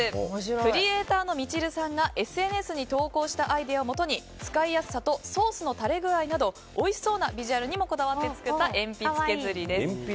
クリエーターのミチルさんがＳＮＳに投稿したアイデアをもとに使いやすさとソースの垂れ具合などおいしそうなビジュアルにもこだわって作った鉛筆削りです。